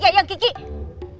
kenapa sih manggil itu